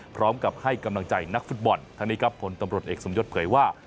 พร้อมกับให้กำลังใจนักฟุตบอลทั้งนี้ครับผลตำรวจเอกสมยศเผยว่า